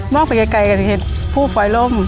นอกไปไกลก็จะเห็นผู้ฝอยล่ม